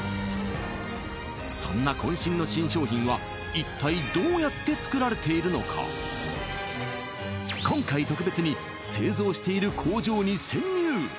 そんなこん身の新商品は一体どうやって作られているのか今回特別に製造している工場に潜入